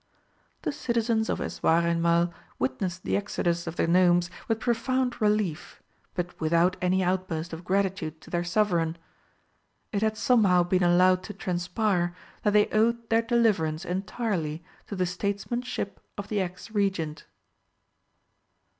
The citizens of Eswareinmal witnessed the exodus of the gnomes with profound relief, but without any outburst of gratitude to their Sovereign. It had somehow been allowed to transpire that they owed their deliverance entirely to the statesmanship of the ex Regent.